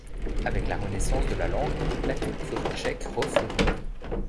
Avec la renaissance de la langue, la culture tchèque refleurit.